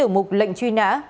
một lệnh truy nã